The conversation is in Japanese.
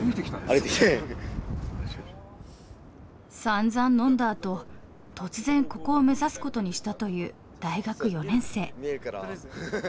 さんざん飲んだあと突然ここを目指す事にしたという大学４年生。